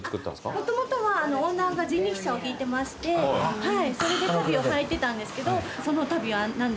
もともとはオーナーが人力車を引いてましてそれで足袋を履いてたんですけど「その足袋は何ですか？」とか問い合わせが多かったので